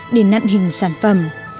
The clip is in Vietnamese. bạn hình sản phẩm